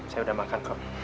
saya udah makan kok